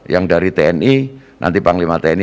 yang dari tni nanti panglima tni